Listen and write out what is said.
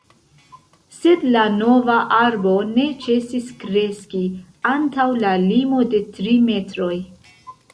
Sed la nova arbo ne ĉesis kreski antaŭ la limo de tri metroj.